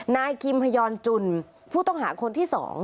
นายคิมฮยอนจุนผู้ต้องหาคนที่๒